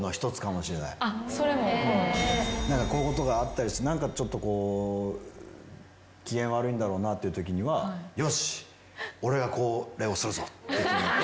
こういうことがあったりして何かちょっと機嫌悪いんだろうなっていうときにはよし俺がこれをするぞって決めて。